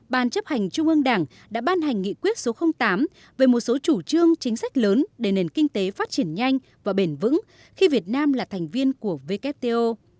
ban chấp hành trung ương đảng đã ban hành nghị quyết số tám về một số chủ trương chính sách lớn để nền kinh tế phát triển nhanh và bền vững khi việt nam là thành viên của wto